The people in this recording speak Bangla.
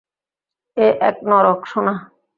এ এক নরক, সোনা।